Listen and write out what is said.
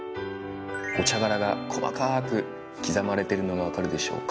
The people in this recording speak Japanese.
お茶殻が細かーく刻まれてるのが分かるでしょうか。